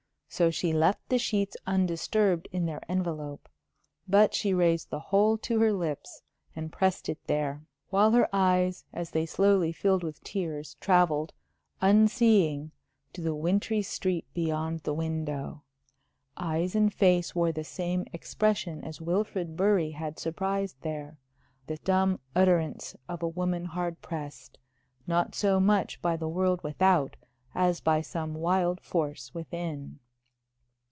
So she left the sheets undisturbed in their envelope. But she raised the whole to her lips, and pressed it there, while her eyes, as they slowly filled with tears, travelled unseeing to the wintry street beyond the window. Eyes and face wore the same expression as Wilfrid Bury had surprised there the dumb utterance of a woman hard pressed, not so much by the world without as by some wild force within.